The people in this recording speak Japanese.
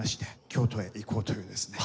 「京都へ行こう」というですね。